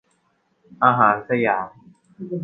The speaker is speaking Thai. อาหารสยาม